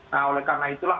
nah oleh karena itulah